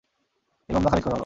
এই মামলা খারিজ করা হলো।